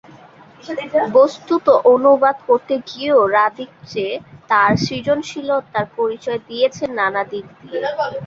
বস্তুত, অনুবাদ করতে গিয়েও রাদিচে তাঁর সৃজনশীলতার পরিচয় দিয়েছেন নানা দিক দিয়ে।